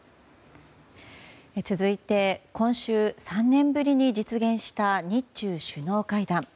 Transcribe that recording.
続いて今週３年ぶりに実現した日中首脳会談。